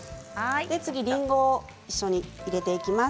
次りんごを一緒に入れていきます。